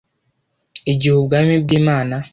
igihe ubwami bw imana